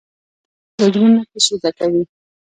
سهار د زړونو تشې ډکوي.